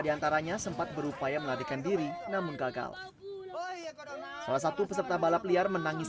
diantaranya sempat berupaya melarikan diri namun gagal salah satu peserta balap liar menangis